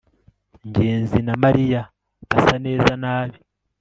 ngenzi na mariya basa neza nabi